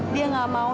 dia nggak mau